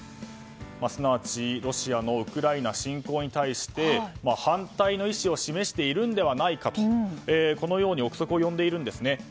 すなわちロシアのウクライナ侵攻に対して反対の意思を示しているのではないかとこのように憶測を呼んでいるんですね。